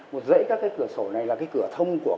một dãy các cái cửa sổ này là cái cửa thông của